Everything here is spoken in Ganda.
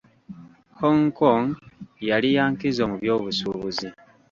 Hong Kong yali ya nkizo mu byobusuubuzi.